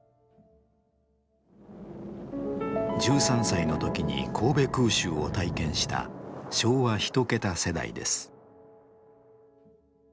１３歳の時に神戸空襲を体験した昭和一桁世代です。